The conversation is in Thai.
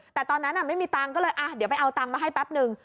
แต่ตอนนั้นไม่มีตังค์ก็เลยเดี๋ยวไปเอาตังค์มาให้แป๊บนึง